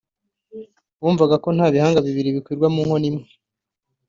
wumvaga ko nta bihanga bibiri bikwirwa mu nkono imwe